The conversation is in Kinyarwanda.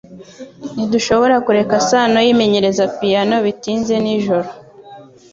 Ntidushobora kureka Sano yimenyereza piyano bitinze nijoro